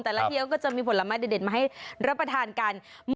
แต่ละเทียวก็จะมีผลละหมาเด็ดมาให้รับประทานกัน